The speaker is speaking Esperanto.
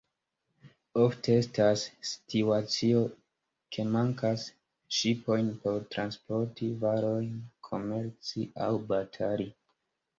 Ofte estas situacio, ke mankas ŝipojn por transporti varojn, komerci aŭ batali.